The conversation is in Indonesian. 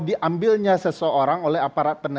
diambilnya seseorang oleh aparat